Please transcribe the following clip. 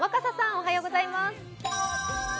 おはようございます。